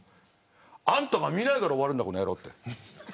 あんたが見ないから終わるんだこのやろうって。